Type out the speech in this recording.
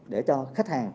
để cho khách hàng